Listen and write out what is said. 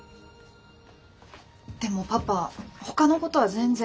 でもパパほかのことは全然。